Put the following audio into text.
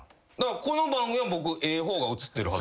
この番組は僕ええ方が映ってるはず。